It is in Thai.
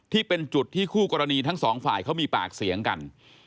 ที่เป็นจุดที่คู่กรณีทั้งสองฝ่ายเขามีปากเสียงกัน